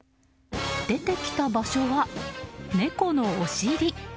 出てきた場所は猫のお尻。